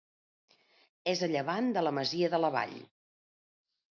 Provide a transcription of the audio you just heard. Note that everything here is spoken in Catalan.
És a llevant de la masia de la Vall.